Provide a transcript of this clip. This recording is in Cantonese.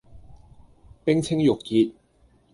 冰清玉潔